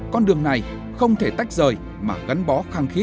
con đường này không thể tách rời mà gắn bó khăng khí